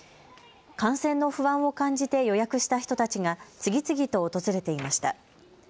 感染の不安を感じて予約した人たちが次々と訪れていました。